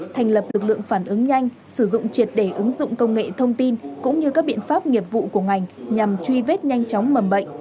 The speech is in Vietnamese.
thành lập lực lượng phản ứng nhanh sử dụng triệt để ứng dụng công nghệ thông tin cũng như các biện pháp nghiệp vụ của ngành nhằm truy vết nhanh chóng mầm bệnh